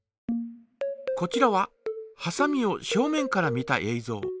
こちらははさみを正面から見たえいぞう。